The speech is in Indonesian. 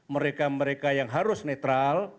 mereka mereka yang harus netral